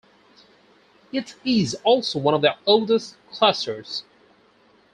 It is also one of the oldest clusters.